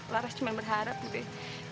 laras cuma berharap budi